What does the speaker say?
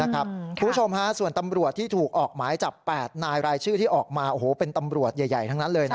คุณผู้ชมส่วนตำรวจที่ถูกออกหมายจับ๘นายรายชื่อที่ออกมาโอ้โหเป็นตำรวจใหญ่ทั้งนั้นเลยนะ